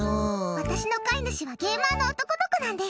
私の飼い主がゲーマーの男の子なんです。